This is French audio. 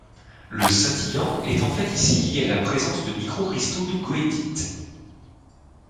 Le scintillent est en fait ici lié à la présence de microcristaux de goethite.